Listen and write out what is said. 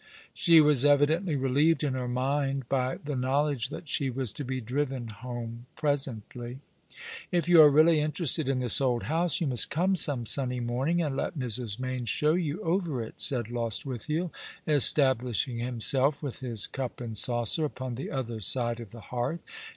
She was evidently relieved in her mind by the knowledge that she was to be driven home presently. " The Rain set early in To night ^ 13 " If you are really interested in this old house you must come some sunny morning and let Mrs. Mayne show you over it," said Lostwithiel, establishing himself with his cup and saucer upon the other side of the hearth.